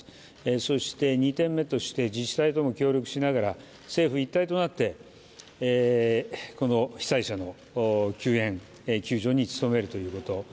そして、２点目自治体とも協力しながら政府一体となってこの被災者の救援・救助に努めるということ。